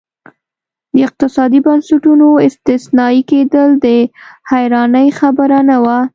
د اقتصادي بنسټونو استثنایي کېدل د حیرانۍ خبره نه وه.